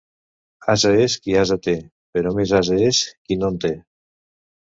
Ase és qui ase té, però més ase és qui no en té.